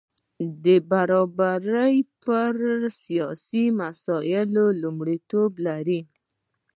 برابري پر سیاسي مسایلو لومړیتوب لري.